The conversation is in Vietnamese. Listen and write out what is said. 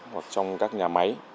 hoặc trong các nhà máy